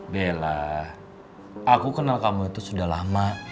bella aku kenal kamu itu sudah lama